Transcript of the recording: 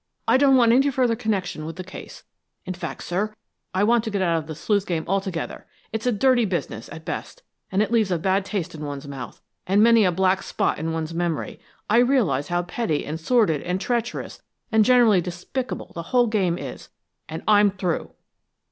I don't want any further connection with the case; in fact, sir, I want to get out of the sleuth game altogether. It's a dirty business, at best, and it leaves a bad taste in one's mouth, and many a black spot in one's memory. I realize how petty and sordid and treacherous and generally despicable the whole game is, and I'm through!"